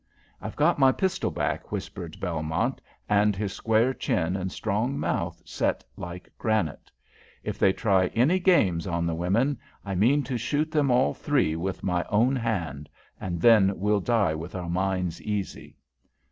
"I've got my pistol back," whispered Belmont, and his square chin and strong mouth set like granite. "If they try any games on the women, I mean to shoot them all three with my own hand, and then we'll die with our minds easy."